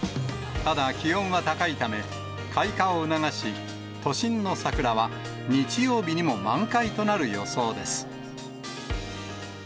ただ、気温は高いため、開花を促し、都心の桜は、日曜日にも満開となる予想です。